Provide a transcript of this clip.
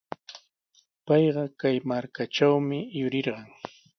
Payqa kay markatrawmi yurirqan.